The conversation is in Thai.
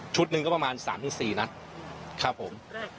ชุดหนึ่งก็ประมาณสามถึงสี่นัดครับผม